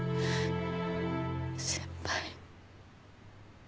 先輩。